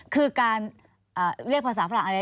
คือการเรียกภาษาฝรั่งอะไร